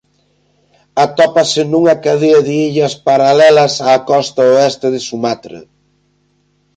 Atópase nunha cadea de illas paralelas á costa oeste de Sumatra.